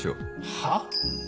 はっ？